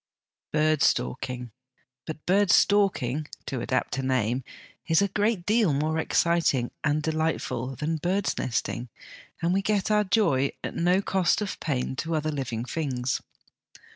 Bird stalking. But bird 'stalking,' ta adapt a name, is a great deal more exciting and delightful than bird's nesting, and we get our joy at no cost of pain to other living things.